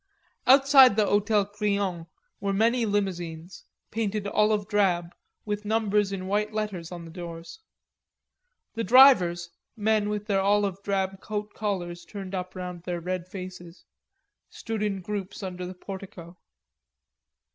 Outside the Hotel Crillon were many limousines, painted olive drab, with numbers in white letters on the doors; the drivers, men with their olive drab coat collars turned up round their red faces, stood in groups under the portico.